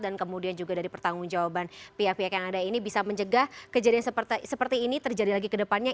dan kemudian juga dari pertanggung jawaban pihak pihak yang ada ini bisa menjegah kejadian seperti ini terjadi lagi ke depannya